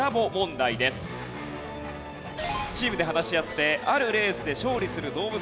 チームで話し合ってあるレースで勝利する動物を当ててください。